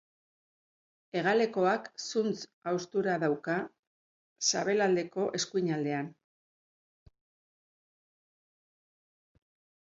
Hegalekoak zuntz-haustura dauka sabelaldeko eskuinaldean.